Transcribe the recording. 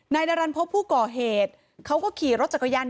นายดารันพบผู้ก่อเหตุเขาก็ขี่รถจักรยาน